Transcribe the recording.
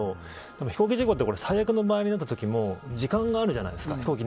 飛行機事故って最悪の場合になったときも時間があるじゃないですか。